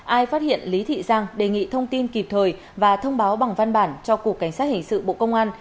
ai phát hiện lý thị giang đề nghị thông tin kịp thời và thông báo bằng văn bản cho cục cảnh sát hình sự bộ công an